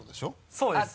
そうですね。